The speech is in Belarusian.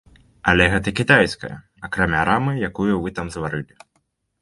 Але гэта кітайскае, акрамя рамы, якую вы там зварылі.